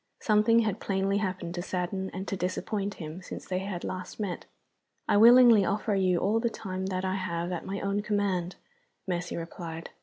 Something had plainly happened to sadden and to disappoint him since they had last met. "I willingly offer you all the time that I have at my own command," Mercy replied.